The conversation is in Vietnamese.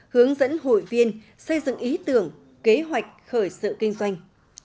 hướng dẫn hội viên xây dựng ý tưởng kế hoạch khởi sự kinh doanh